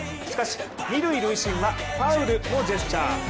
しかし２塁塁審はファウルのジェスチャー。